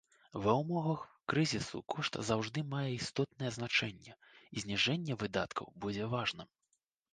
Ва ўмовах крызісу кошт заўжды мае істотнае значэнне, і зніжэнне выдаткаў будзе важным.